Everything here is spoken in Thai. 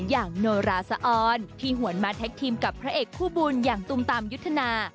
อย่างโนราสะออนที่หวนมาแท็กทีมกับพระเอกคู่บุญอย่างตุมตามยุทธนา